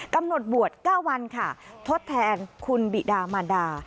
กำหนดบวช๙วันค่ะทดแทนคุณบิดามารดา